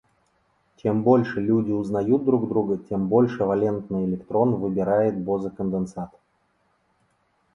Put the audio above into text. Чем больше люди узнают друг друга, тем больше валентный электрон выбирает бозе-конденсат.